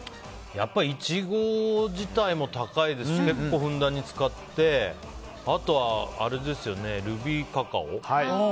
やっぱりイチゴ自体も高いですし結構ふんだんに使ってあとは、ルビーカカオ。